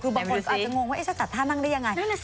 คือบางคนก็อาจจะงงว่าเอ๊ะฉันจัดท่านั่งได้ยังไงนั่นแหละสิ